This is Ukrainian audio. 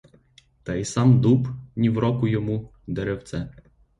Та й сам дуб, нівроку йому, деревце.